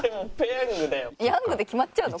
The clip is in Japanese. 「ヤング」で決まっちゃうの？